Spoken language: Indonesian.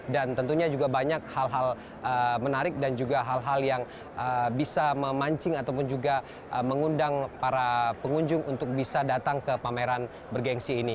dan tentunya juga banyak hal hal menarik dan juga hal hal yang bisa memancing ataupun juga mengundang para pengunjung untuk bisa datang ke pameran bergensi ini